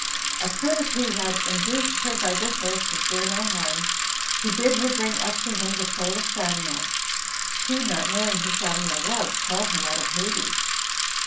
As soon as he had induced her by this oath to fear no harm, he bid her bring up to him the soul of Samuel. She, not knowing who Samuel was, called him out of Hades.